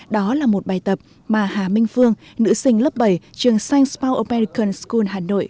đó là một bài tập mà hà minh phương nữ sinh lớp bảy trường sainsbourg american school hà nội